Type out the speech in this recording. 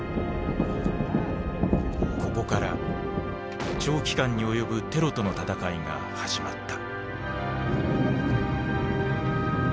ここから長期間に及ぶ「テロとの戦い」が始まった。